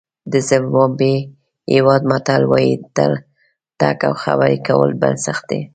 د زیمبابوې هېواد متل وایي تګ او خبرې کول بنسټ دی.